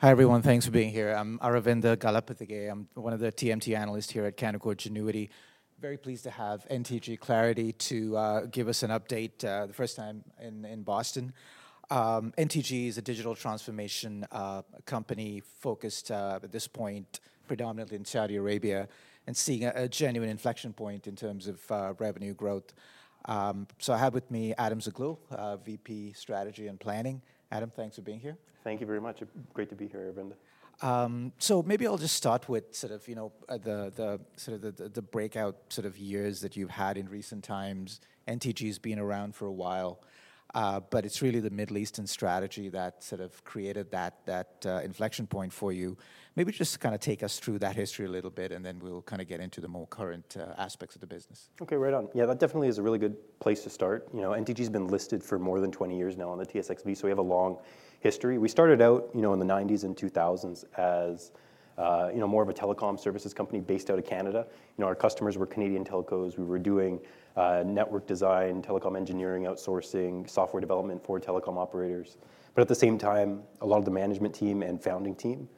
Hi everyone, thanks for being here. I'm Aravinda Galappatthige. I'm one of the TMT analysts here at Canaccord Genuity. Very pleased to have NTG Clarity to give us an update, the first time in Boston. NTG is a digital transformation company focused at this point predominantly in Saudi Arabia and seeing a genuine inflection point in terms of revenue growth. I have with me Adam Zaghloul, VP of Strategy and Planning. Adam, thanks for being here. Thank you very much. Great to be here, Aravindra. Maybe I'll just start with the breakout years that you've had in recent times. NTG Clarity has been around for a while, but it's really the Middle East strategy that created that inflection point for you. Maybe just take us through that history a little bit, and then we'll get into the more current aspects of the business. Okay, right on. Yeah, that definitely is a really good place to start. You know, NTG Clarity has been listed for more than 20 years now on the TSX Venture Exchange, so we have a long history. We started out in the 1990s and 2000s as more of a telecom services company based out of Canada. Our customers were Canadian telcos. We were doing network design, telecom engineering, outsourcing, software development for telecom operators. At the same time, a lot of the management team and founding team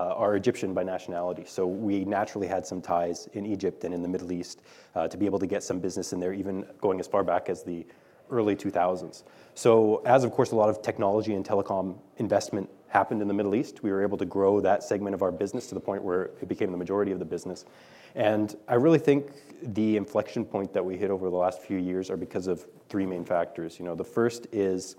are Egyptian by nationality. We naturally had some ties in Egypt and in the Middle East to be able to get some business in there, even going as far back as the early 2000s. As a lot of technology and telecom investment happened in the Middle East, we were able to grow that segment of our business to the point where it became the majority of the business. I really think the inflection point that we hit over the last few years is because of three main factors. The first is,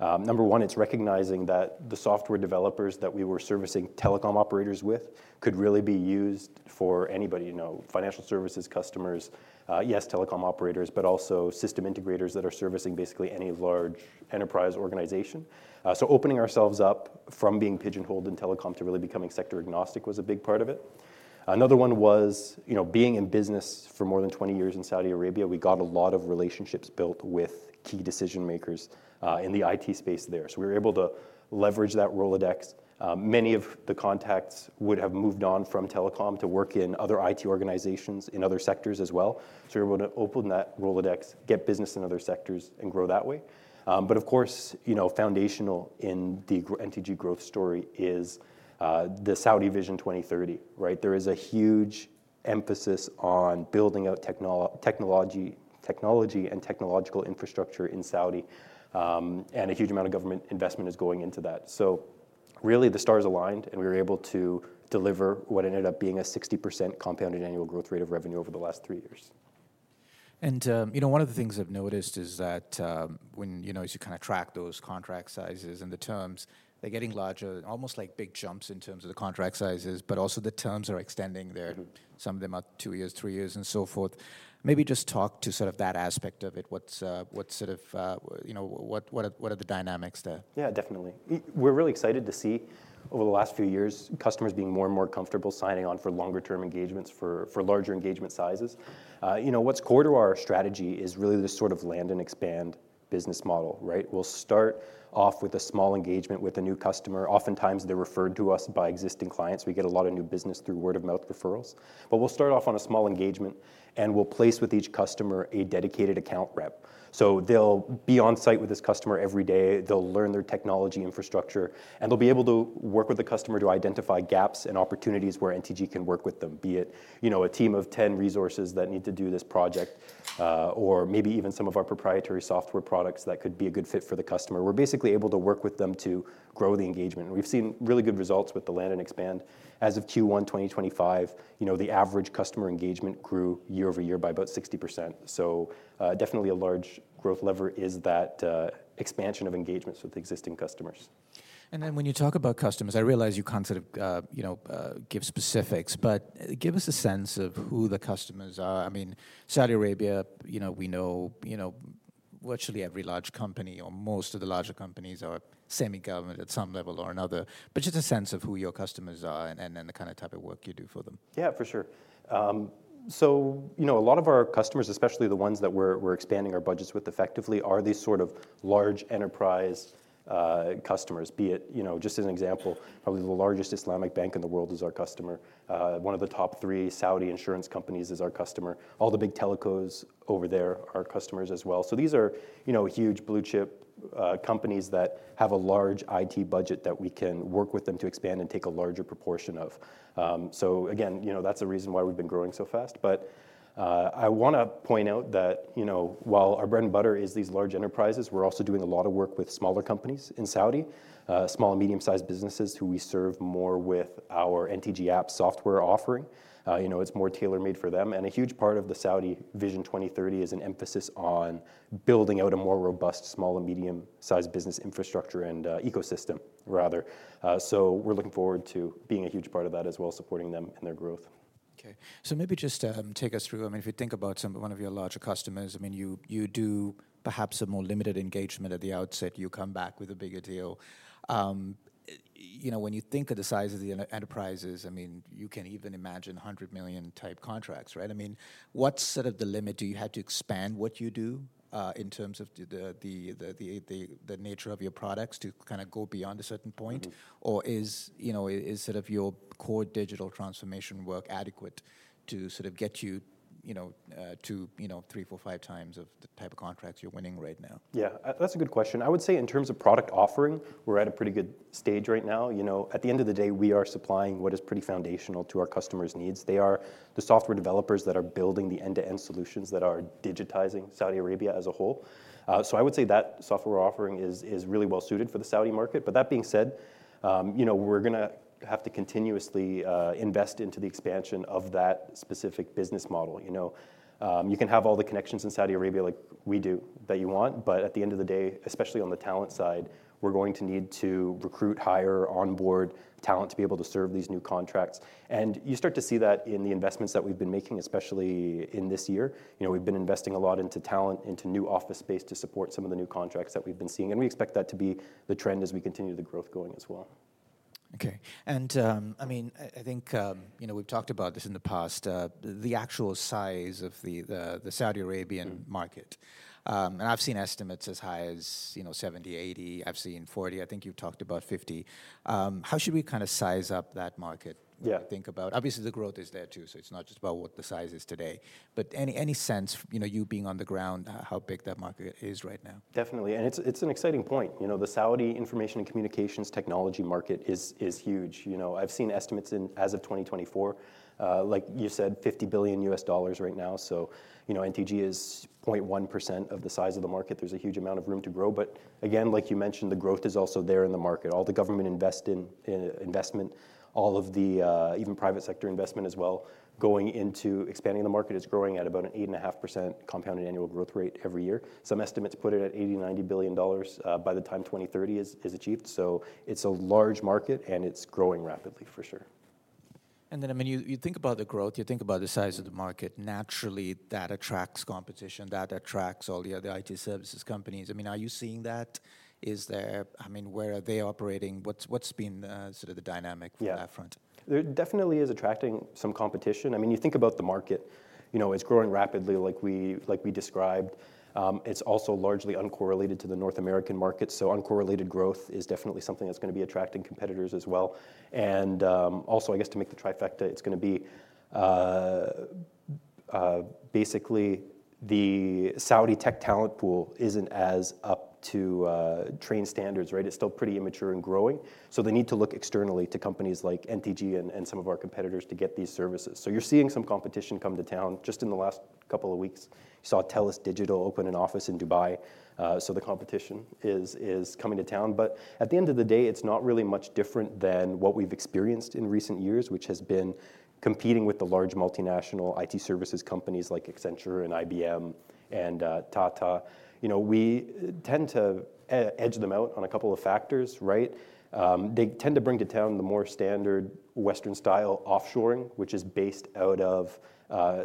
number one, it's recognizing that the software developers that we were servicing telecom operators with could really be used for anybody, financial services customers, yes, telecom operators, but also system integrators that are servicing basically any large enterprise organization. Opening ourselves up from being pigeonholed in telecom to really becoming sector agnostic was a big part of it. Another one was being in business for more than 20 years in Saudi Arabia, we got a lot of relationships built with key decision makers in the IT space there. We were able to leverage that Rolodex. Many of the contacts would have moved on from telecom to work in other IT organizations in other sectors as well. We were able to open that Rolodex, get business in other sectors, and grow that way. Foundational in the NTG Clarity growth story is the Saudi Vision 2030, right? There is a huge emphasis on building out technology and technological infrastructure in Saudi Arabia, and a huge amount of government investment is going into that. Really, the stars aligned, and we were able to deliver what ended up being a 60% compounded annual growth rate of revenue over the last three years. One of the things I've noticed is that as you kind of track those contract sizes and the terms, they're getting larger, almost like big jumps in terms of the contract sizes, but also the terms are extending. Some of them are up to two years, three years, and so forth. Maybe just talk to that aspect of it. What are the dynamics there? Yeah, definitely. We're really excited to see over the last few years, customers being more and more comfortable signing on for longer-term engagements for larger engagement sizes. You know, what's core to our strategy is really this sort of land and expand business model, right? We'll start off with a small engagement with a new customer. Oftentimes, they're referred to us by existing clients. We get a lot of new business through word-of-mouth referrals. We'll start off on a small engagement, and we'll place with each customer a dedicated account rep. They'll be on site with this customer every day. They'll learn their technology infrastructure, and they'll be able to work with the customer to identify gaps and opportunities where NTG Clarity can work with them, be it, you know, a team of 10 resources that need to do this project, or maybe even some of our proprietary software products that could be a good fit for the customer. We're basically able to work with them to grow the engagement. We've seen really good results with the land and expand. As of Q1 2025, the average customer engagement grew year-over-year by about 60%. Definitely a large growth lever is that expansion of engagements with existing customers. When you talk about customers, I realize you can't sort of, you know, give specifics, but give us a sense of who the customers are. I mean, Saudi Arabia, you know, we know, you know, virtually every large company or most of the larger companies are semi-government at some level or another, but just a sense of who your customers are and the kind of type of work you do for them. Yeah, for sure. A lot of our customers, especially the ones that we're expanding our budgets with effectively, are these sort of large enterprise customers, be it, you know, just as an example, probably the largest Islamic bank in the world is our customer. One of the top three Saudi insurance companies is our customer. All the big telcos over there are customers as well. These are huge blue chip companies that have a large IT budget that we can work with them to expand and take a larger proportion of. That's the reason why we've been growing so fast. I want to point out that while our bread and butter is these large enterprises, we're also doing a lot of work with smaller companies in Saudi, small and medium-sized businesses who we serve more with our NTG Apps software offering. It's more tailor-made for them. A huge part of the Saudi Vision 2030 is an emphasis on building out a more robust small and medium-sized business infrastructure and ecosystem, rather. We're looking forward to being a huge part of that as well, supporting them in their growth. Okay, so maybe just take us through. I mean, if we think about one of your larger customers, you do perhaps a more limited engagement at the outset. You come back with a bigger deal. When you think of the size of the enterprises, you can even imagine $100 million type contracts, right? What's sort of the limit? Do you have to expand what you do in terms of the nature of your products to kind of go beyond a certain point? Or is your core digital transformation work adequate to get you to three, four, five times the type of contracts you're winning right now? Yeah, that's a good question. I would say in terms of product offering, we're at a pretty good stage right now. At the end of the day, we are supplying what is pretty foundational to our customers' needs. They are the software developers that are building the end-to-end solutions that are digitizing Saudi Arabia as a whole. I would say that software we're offering is really well suited for the Saudi market. That being said, we're going to have to continuously invest into the expansion of that specific business model. You can have all the connections in Saudi Arabia like we do that you want, but at the end of the day, especially on the talent side, we're going to need to recruit, hire, onboard talent to be able to serve these new contracts. You start to see that in the investments that we've been making, especially in this year. We've been investing a lot into talent, into new office space to support some of the new contracts that we've been seeing. We expect that to be the trend as we continue the growth going as well. Okay. I think we've talked about this in the past, the actual size of the Saudi Arabian market. I've seen estimates as high as 70, 80. I've seen 40. I think you've talked about 50. How should we kind of size up that market? Think about, obviously, the growth is there too. It's not just about what the size is today, but any sense, you being on the ground, how big that market is right now? Definitely. It's an exciting point. You know, the Saudi information and communications technology market is huge. I've seen estimates as of 2024, like you said, $50 billion right now. NTG is 0.1% of the size of the market. There's a huge amount of room to grow. Again, like you mentioned, the growth is also there in the market. All the government investment, all of the even private sector investment as well, going into expanding the market is growing at about an 8.5% compounded annual growth rate every year. Some estimates put it at $80 billion-90 billion by the time 2030 is achieved. It's a large market and it's growing rapidly for sure. You think about the growth, you think about the size of the market. Naturally, that attracts competition, that attracts all the other IT services companies. Are you seeing that? Is there, I mean, where are they operating? What's been sort of the dynamic from that front? There definitely is attracting some competition. I mean, you think about the market, you know, it's growing rapidly, like we described. It's also largely uncorrelated to the North American market. Uncorrelated growth is definitely something that's going to be attracting competitors as well. I guess to make the trifecta, it's going to be basically the Saudi tech talent pool isn't as up to train standards, right? It's still pretty immature and growing. They need to look externally to companies like NTG Clarity and some of our competitors to get these services. You're seeing some competition come to town just in the last couple of weeks. You saw TELUS Digital open an office in Dubai. The competition is coming to town. At the end of the day, it's not really much different than what we've experienced in recent years, which has been competing with the large multinational IT services companies like Accenture and IBM and Tata. We tend to edge them out on a couple of factors, right? They tend to bring to town the more standard Western style offshoring, which is based out of,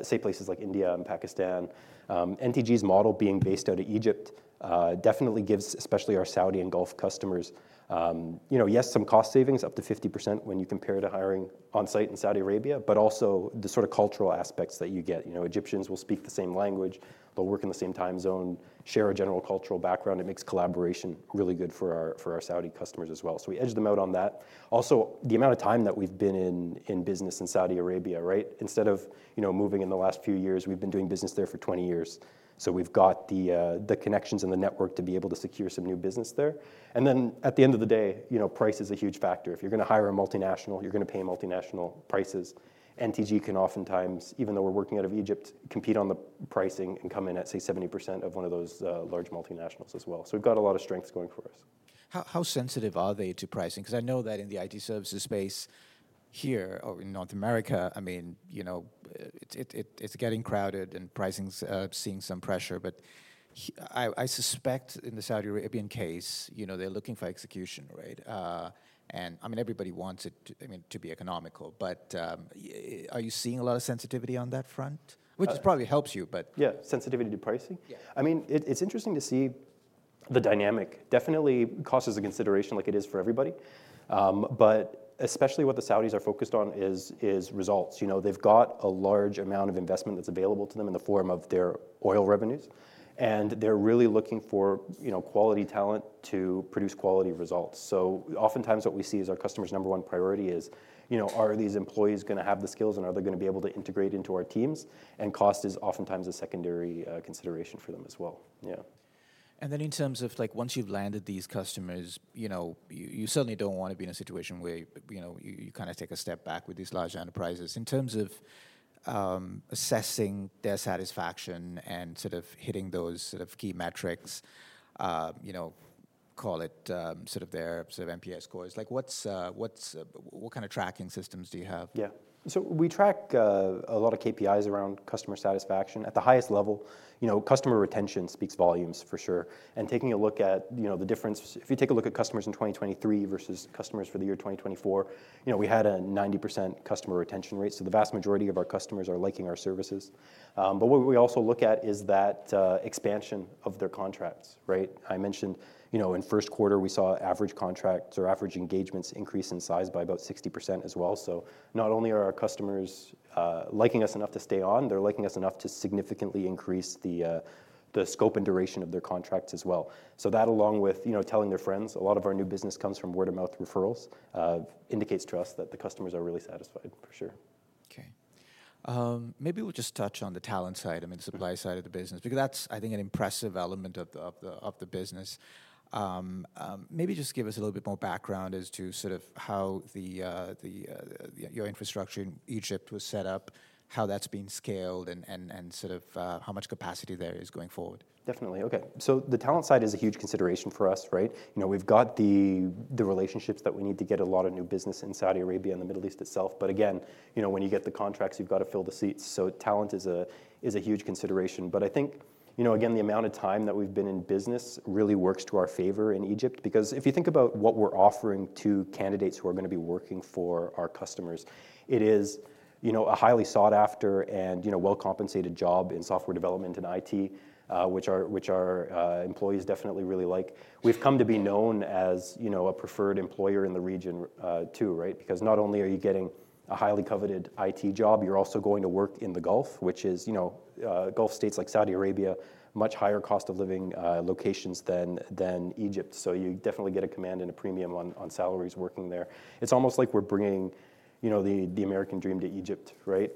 say, places like India and Pakistan. NTG Clarity's model being based out of Egypt definitely gives, especially our Saudi and Gulf customers, yes, some cost savings up to 50% when you compare to hiring on site in Saudi Arabia, but also the sort of cultural aspects that you get. Egyptians will speak the same language, work in the same time zone, share a general cultural background. It makes collaboration really good for our Saudi customers as well. We edge them out on that. Also, the amount of time that we've been in business in Saudi Arabia, right? Instead of moving in the last few years, we've been doing business there for 20 years. We've got the connections and the network to be able to secure some new business there. At the end of the day, price is a huge factor. If you're going to hire a multinational, you're going to pay multinational prices. NTG Clarity can oftentimes, even though we're working out of Egypt, compete on the pricing and come in at, say, 70% of one of those large multinationals as well. We've got a lot of strengths going for us. How sensitive are they to pricing? I know that in the IT services space here or in North America, it's getting crowded and pricing's seeing some pressure. I suspect in the Saudi Arabian case, they're looking for execution, right? I mean, everybody wants it to be economical. Are you seeing a lot of sensitivity on that front, which probably helps you, but... Yeah, sensitivity to pricing? Yeah. I mean, it's interesting to see the dynamic. Definitely cost is a consideration like it is for everybody. Especially what the Saudis are focused on is results. They've got a large amount of investment that's available to them in the form of their oil revenues, and they're really looking for quality talent to produce quality results. Oftentimes what we see is our customers' number one priority is, are these employees going to have the skills and are they going to be able to integrate into our teams? Cost is oftentimes a secondary consideration for them as well. Yeah. In terms of once you've landed these customers, you certainly don't want to be in a situation where you kind of take a step back with these large enterprises. In terms of assessing their satisfaction and hitting those key metrics, call it their NPS scores, what kind of tracking systems do you have? Yeah. We track a lot of KPIs around customer satisfaction at the highest level. You know, customer retention speaks volumes for sure. Taking a look at the difference, if you take a look at customers in 2023 versus customers for the year 2024, we had a 90% customer retention rate. The vast majority of our customers are liking our services. What we also look at is that expansion of their contracts, right? I mentioned in the first quarter, we saw average contracts or average engagements increase in size by about 60% as well. Not only are our customers liking us enough to stay on, they're liking us enough to significantly increase the scope and duration of their contracts as well. That along with telling their friends, a lot of our new business comes from word-of-mouth referrals, indicates to us that the customers are really satisfied for sure. Okay. Maybe we'll just touch on the talent side, I mean, the supply side of the business, because that's, I think, an impressive element of the business. Maybe just give us a little bit more background as to sort of how your infrastructure in Egypt was set up, how that's being scaled, and sort of how much capacity there is going forward? Definitely. Okay. The talent side is a huge consideration for us, right? We've got the relationships that we need to get a lot of new business in Saudi Arabia and the Middle East itself. Again, when you get the contracts, you've got to fill the seats. Talent is a huge consideration. I think the amount of time that we've been in business really works to our favor in Egypt, because if you think about what we're offering to candidates who are going to be working for our customers, it is a highly sought-after and well-compensated job in software development and IT, which our employees definitely really like. We've come to be known as a preferred employer in the region too, right? Not only are you getting a highly coveted IT job, you're also going to work in the Gulf, which is Gulf states like Saudi Arabia, much higher cost of living locations than Egypt. You definitely get a command and a premium on salaries working there. It's almost like we're bringing the American dream to Egypt, right?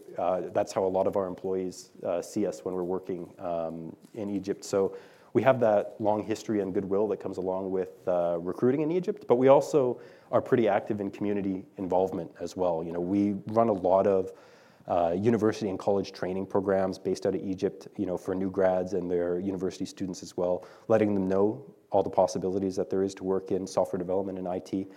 That's how a lot of our employees see us when we're working in Egypt. We have that long history and goodwill that comes along with recruiting in Egypt. We also are pretty active in community involvement as well. We run a lot of university and college training programs based out of Egypt for new grads and their university students as well, letting them know all the possibilities that there are to work in software development and IT.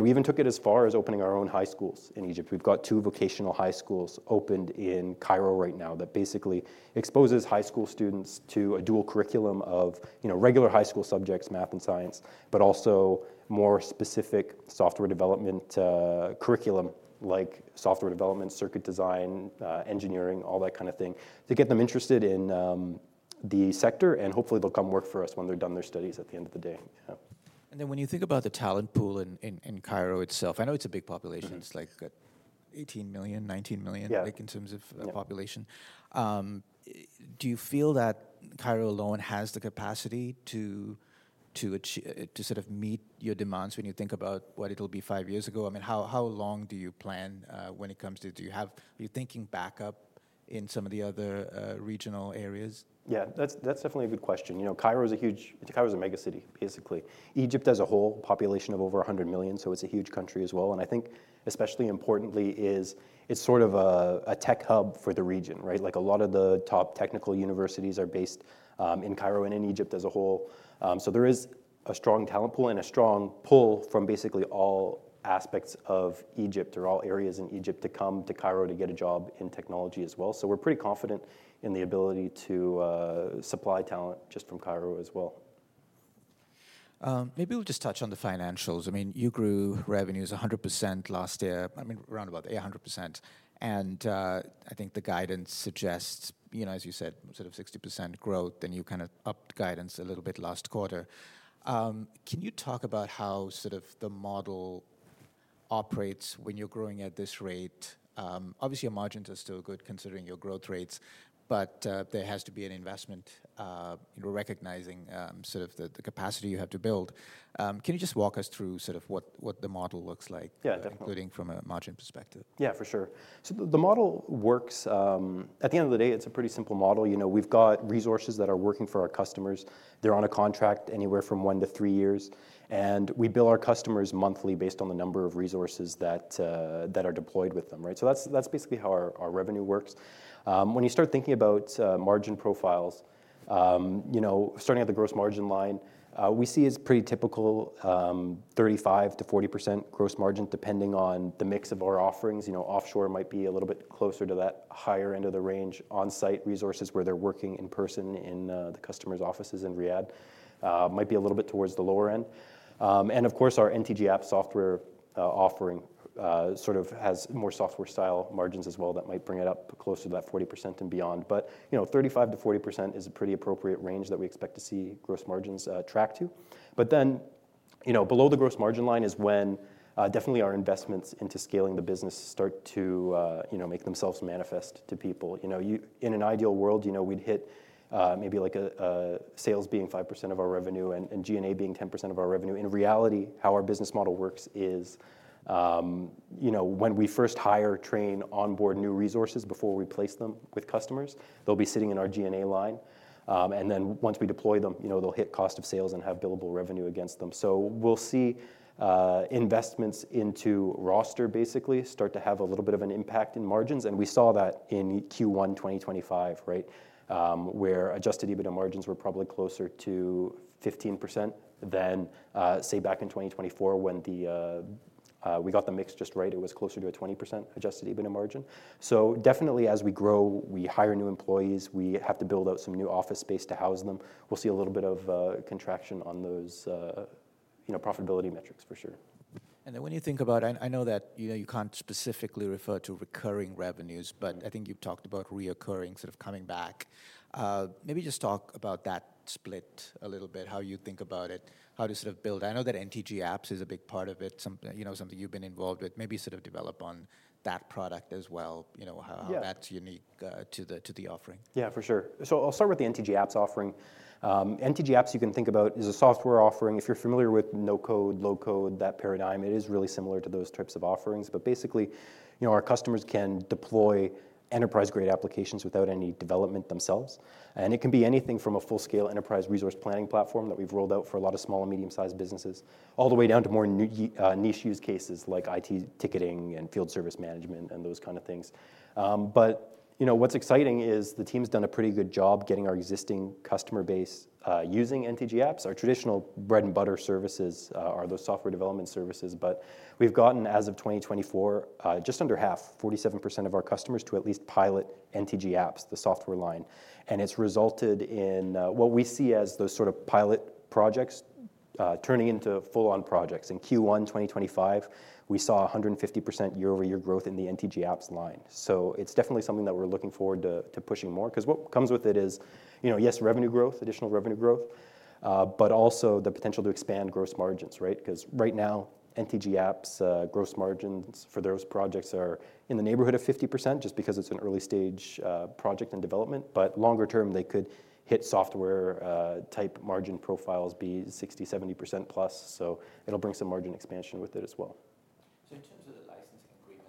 We even took it as far as opening our own high schools in Egypt. We've got two vocational high schools opened in Cairo right now that basically expose high school students to a dual curriculum of regular high school subjects, math and science, but also more specific software development curriculum like software development, circuit design, engineering, all that kind of thing to get them interested in the sector. Hopefully, they'll come work for us when they're done their studies at the end of the day. When you think about the talent pool in Cairo itself, I know it's a big population. It's like 18 million, 19 million, I think, in terms of population. Do you feel that Cairo alone has the capacity to sort of meet your demands when you think about what it'll be five years ago? How long do you plan when it comes to... Do you have... Are you thinking back up in some of the other regional areas? Yeah, that's definitely a good question. Cairo is a huge city, basically a mega city. Egypt as a whole, a population of over 100 million, is a huge country as well. I think especially importantly is it's sort of a tech hub for the region, right? A lot of the top technical universities are based in Cairo and in Egypt as a whole. There is a strong talent pool and a strong pull from basically all aspects of Egypt or all areas in Egypt to come to Cairo to get a job in technology as well. We're pretty confident in the ability to supply talent just from Cairo as well. Maybe we'll just touch on the financials. You grew revenues 100% last year, I mean, around about 800%. I think the guidance suggests, you know, as you said, sort of 60% growth. You kind of upped the guidance a little bit last quarter. Can you talk about how sort of the model operates when you're growing at this rate? Obviously, your margins are still good considering your growth rates, but there has to be an investment in recognizing sort of the capacity you have to build. Can you just walk us through sort of what the model looks like, including from a margin perspective? Yeah, for sure. The model works. At the end of the day, it's a pretty simple model. We've got resources that are working for our customers. They're on a contract anywhere from one to three years, and we bill our customers monthly based on the number of resources that are deployed with them, right? That's basically how our revenue works. When you start thinking about margin profiles, starting at the gross margin line, we see it's pretty typical, 35% - 40% gross margin, depending on the mix of our offerings. Offshore might be a little bit closer to that higher end of the range. On-site resources, where they're working in person in the customer's offices in Riyadh, might be a little bit towards the lower end. Of course, our NTG Apps software offering has more software-style margins as well that might bring it up closer to that 40% and beyond. 35% - 40% is a pretty appropriate range that we expect to see gross margins track to. Below the gross margin line is when our investments into scaling the business start to make themselves manifest to people. In an ideal world, we'd hit maybe like sales being 5% of our revenue and G&A being 10% of our revenue. In reality, how our business model works is, when we first hire, train, onboard new resources before we place them with customers, they'll be sitting in our G&A line. Once we deploy them, they'll hit cost of sales and have billable revenue against them. We'll see investments into roster basically start to have a little bit of an impact in margins. We saw that in Q1 2025, right, where adjusted EBITDA margins were probably closer to 15% than, say, back in 2024 when we got the mix just right. It was closer to a 20% adjusted EBITDA margin. As we grow, we hire new employees. We have to build out some new office space to house them. We'll see a little bit of contraction on those profitability metrics for sure. When you think about, I know that, you know, you can't specifically refer to recurring revenues, but I think you've talked about reoccurring, sort of coming back. Maybe just talk about that split a little bit, how you think about it, how to sort of build. I know that NTG Apps is a big part of it, you know, something you've been involved with. Maybe sort of develop on that product as well, you know, how that's unique to the offering. Yeah, for sure. I'll start with the NTG Apps offering. NTG Apps, you can think about, is a software offering. If you're familiar with no-code, low-code, that paradigm, it is really similar to those types of offerings. Basically, our customers can deploy enterprise-grade applications without any development themselves. It can be anything from a full-scale enterprise resource planning platform that we've rolled out for a lot of small and medium-sized businesses, all the way down to more niche use cases like IT ticketing and field service management and those kinds of things. What's exciting is the team's done a pretty good job getting our existing customer base using NTG Apps. Our traditional bread and butter services are those software development services. We've gotten, as of 2024, just under half, 47% of our customers to at least pilot NTG Apps, the software line. It's resulted in what we see as those sort of pilot projects turning into full-on projects. In Q1 2025, we saw 150% year-over-year growth in the NTG Apps line. It's definitely something that we're looking forward to pushing more. What comes with it is, yes, revenue growth, additional revenue growth, but also the potential to expand gross margins, right? Right now, NTG Apps' gross margins for those projects are in the neighborhood of 50% just because it's an early-stage project in development. Longer term, they could hit software type margin profiles, be 60%, 70%+. It'll bring some margin expansion with it as well. In terms of the licensing agreement,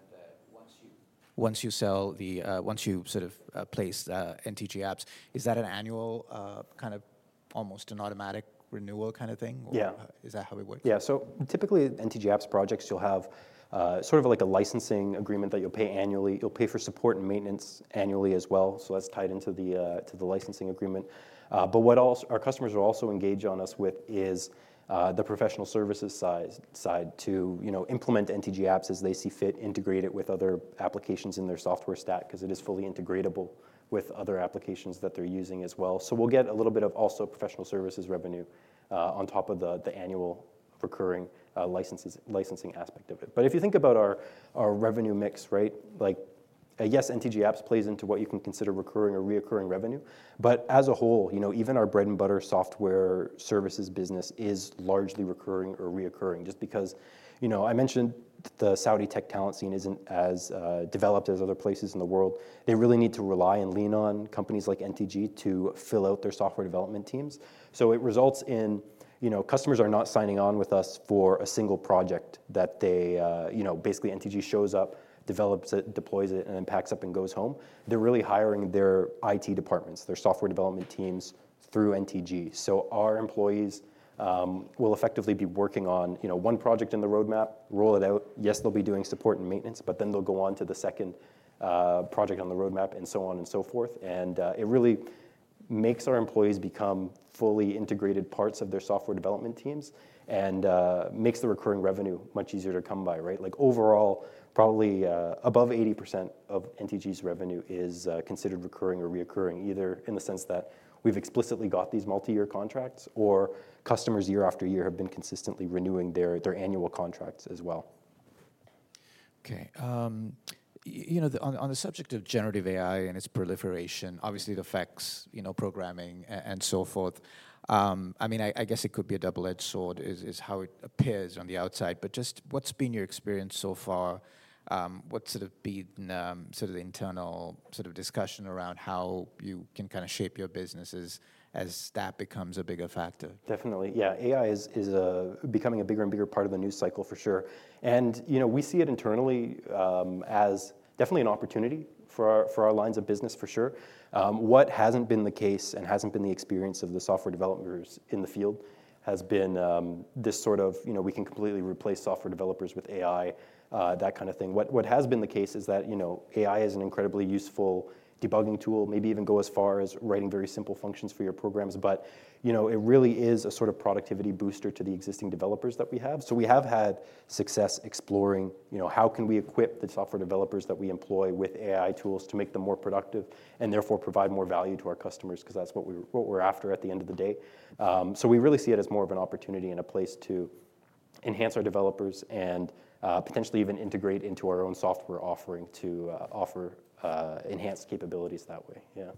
once you sell the, once you sort of place NTG Apps, is that an annual kind of almost an automatic renewal kind of thing? Yeah. Is that how it works? Yeah. Typically, NTG Apps projects, you'll have sort of like a licensing agreement that you'll pay annually. You'll pay for support and maintenance annually as well. That's tied into the licensing agreement. What our customers are also engaged on us with is the professional services side to implement NTG Apps as they see fit, integrate it with other applications in their software stack because it is fully integratable with other applications that they're using as well. We'll get a little bit of also professional services revenue on top of the annual recurring licensing aspect of it. If you think about our revenue mix, right, like yes, NTG Apps plays into what you can consider recurring or reoccurring revenue. As a whole, you know, even our bread and butter software services business is largely recurring or reoccurring just because, you know, I mentioned the Saudi tech talent scene isn't as developed as other places in the world. They really need to rely and lean on companies like NTG to fill out their software development teams. It results in customers are not signing on with us for a single project that they, you know, basically NTG shows up, develops it, deploys it, and then packs up and goes home. They're really hiring their IT departments, their software development teams through NTG. Our employees will effectively be working on one project in the roadmap, roll it out. Yes, they'll be doing support and maintenance, but then they'll go on to the second project on the roadmap and so on and so forth. It really makes our employees become fully integrated parts of their software development teams and makes the recurring revenue much easier to come by, right? Overall, probably above 80% of NTG's revenue is considered recurring or reoccurring, either in the sense that we've explicitly got these multi-year contracts or customers year after year have been consistently renewing their annual contracts as well. Okay. On the subject of generative AI and its proliferation, obviously it affects programming and so forth. I guess it could be a double-edged sword is how it appears on the outside. What's been your experience so far? What's been the internal discussion around how you can shape your businesses as that becomes a bigger factor? Definitely. Yeah. AI is becoming a bigger and bigger part of the news cycle for sure. We see it internally as definitely an opportunity for our lines of business for sure. What hasn't been the case and hasn't been the experience of the software developers in the field has been this sort of, you know, we can completely replace software developers with AI, that kind of thing. What has been the case is that AI is an incredibly useful debugging tool, maybe even go as far as writing very simple functions for your programs. It really is a sort of productivity booster to the existing developers that we have. We have had success exploring how can we equip the software developers that we employ with AI tools to make them more productive and therefore provide more value to our customers because that's what we're after at the end of the day. We really see it as more of an opportunity and a place to enhance our developers and potentially even integrate into our own software offering to offer enhanced capabilities that way. Yeah.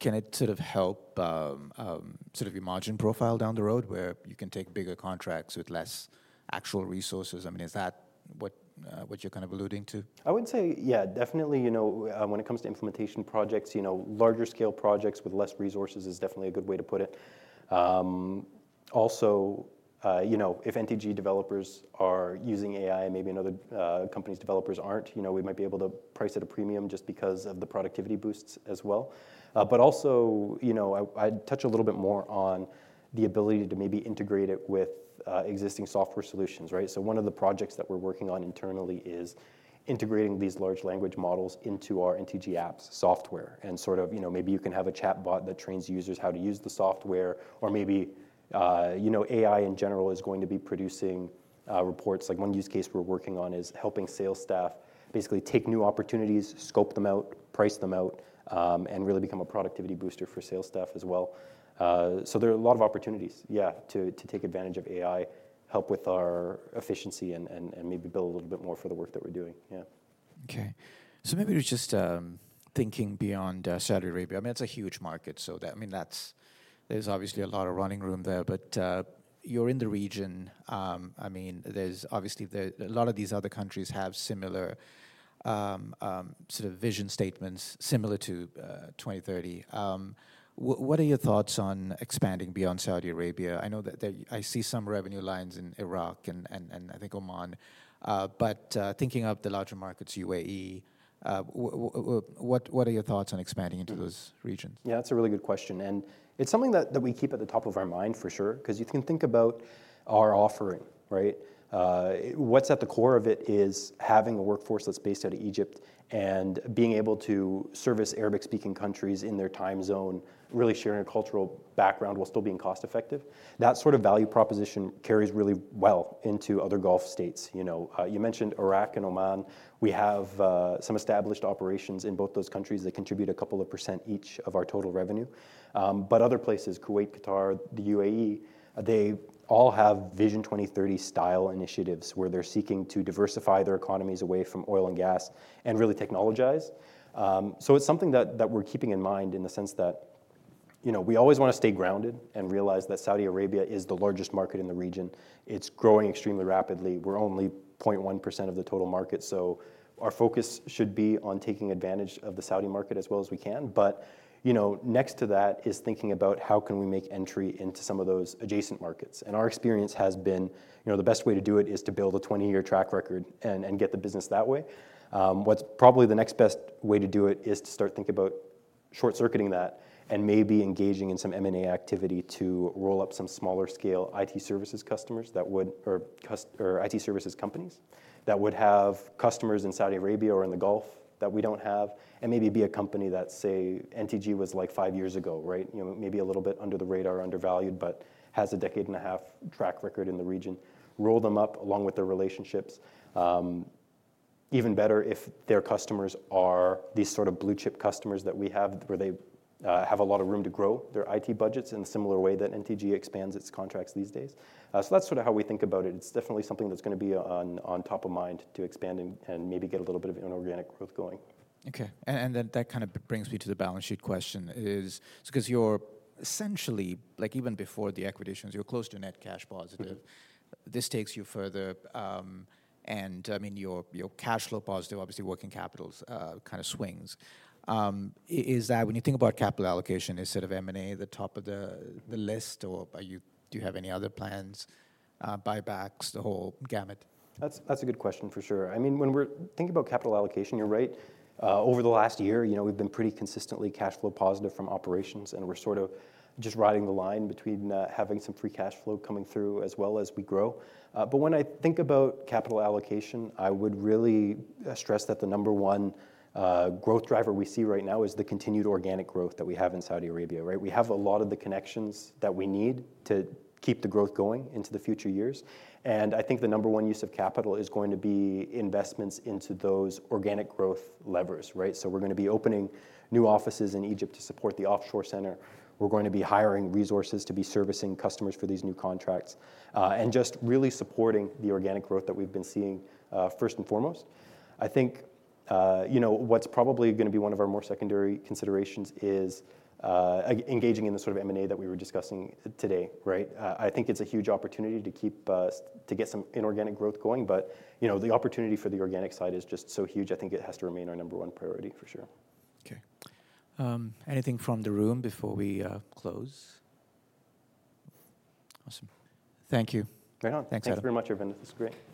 Can it sort of help your margin profile down the road where you can take bigger contracts with less actual resources? I mean, is that what you're kind of alluding to? I wouldn't say, yeah, definitely, you know, when it comes to implementation projects, larger scale projects with less resources is definitely a good way to put it. Also, if NTG developers are using AI and maybe another company's developers aren't, we might be able to price at a premium just because of the productivity boosts as well. Also, I touch a little bit more on the ability to maybe integrate it with existing software solutions, right? One of the projects that we're working on internally is integrating these large language models into our NTG Apps software and sort of, you know, maybe you can have a chatbot that trains users how to use the software or maybe, you know, AI in general is going to be producing reports. Like one use case we're working on is helping sales staff basically take new opportunities, scope them out, price them out, and really become a productivity booster for sales staff as well. There are a lot of opportunities, yeah, to take advantage of AI, help with our efficiency, and maybe build a little bit more for the work that we're doing. Yeah. Okay. Maybe just thinking beyond Saudi Arabia. I mean, it's a huge market. There's obviously a lot of running room there. You're in the region. There's obviously a lot of these other countries that have similar sort of vision statements similar to 2030. What are your thoughts on expanding beyond Saudi Arabia? I know that I see some revenue lines in Iraq and I think Oman. Thinking of the larger markets, UAE, what are your thoughts on expanding into those regions? Yeah, that's a really good question. It's something that we keep at the top of our mind for sure because you can think about our offering, right? What's at the core of it is having a workforce that's based out of Egypt and being able to service Arabic-speaking countries in their time zone, really sharing a cultural background while still being cost-effective. That sort of value proposition carries really well into other Gulf states. You mentioned Iraq and Oman. We have some established operations in both those countries that contribute a couple of % each of our total revenue. Other places, Kuwait, Qatar, the UAE, they all have Vision 2030 style initiatives where they're seeking to diversify their economies away from oil and gas and really technologize. It's something that we're keeping in mind in the sense that we always want to stay grounded and realize that Saudi Arabia is the largest market in the region. It's growing extremely rapidly. We're only 0.1% of the total market. Our focus should be on taking advantage of the Saudi market as well as we can. Next to that is thinking about how can we make entry into some of those adjacent markets. Our experience has been the best way to do it is to build a 20-year track record and get the business that way. What's probably the next best way to do it is to start thinking about short-circuiting that and maybe engaging in some M&A activity to roll up some smaller scale IT services companies that would have customers in Saudi Arabia or in the Gulf that we don't have. Maybe be a company that, say, NTG Clarity was like five years ago, maybe a little bit under the radar, undervalued, but has a decade and a half track record in the region. Roll them up along with their relationships. Even better if their customers are these sort of blue chip customers that we have where they have a lot of room to grow their IT budgets in a similar way that NTG Clarity expands its contracts these days. That's sort of how we think about it. It's definitely something that's going to be on top of mind to expand and maybe get a little bit of inorganic growth going. Okay. That kind of brings me to the balance sheet question because you're essentially, like even before the acquisitions, you're close to net cash positive. This takes you further. I mean, you're cash flow positive, obviously working capital kind of swings. When you think about capital allocation, is M&A the top of the list or do you have any other plans, buybacks, the whole gamut? That's a good question for sure. I mean, when we're thinking about capital allocation, you're right. Over the last year, we've been pretty consistently cash flow positive from operations, and we're just riding the line between having some free cash flow coming through as well as we grow. When I think about capital allocation, I would really stress that the number one growth driver we see right now is the continued organic growth that we have in Saudi Arabia, right? We have a lot of the connections that we need to keep the growth going into the future years. I think the number one use of capital is going to be investments into those organic growth levers, right? We're going to be opening new offices in Egypt to support the offshore center. We're going to be hiring resources to be servicing customers for these new contracts and just really supporting the organic growth that we've been seeing first and foremost. I think what's probably going to be one of our more secondary considerations is engaging in the sort of M&A that we were discussing today, right? I think it's a huge opportunity to get some inorganic growth going. The opportunity for the organic side is just so huge. I think it has to remain our number one priority for sure. Okay. Anything from the room before we close? Awesome. Thank you. Right on. Thanks very much, Aravindra. It's great.